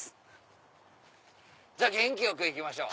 元気よく行きましょう。